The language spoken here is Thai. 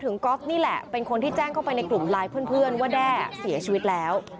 ก๊อฟนี่แหละเป็นคนที่แจ้งเข้าไปในกลุ่มไลน์เพื่อนว่าแด้เสียชีวิตแล้ว